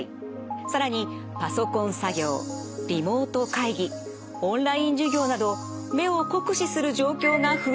更にパソコン作業リモート会議オンライン授業など目を酷使する状況が増えています。